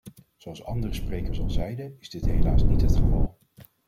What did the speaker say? Zoals andere sprekers al zeiden is dit helaas niet het geval.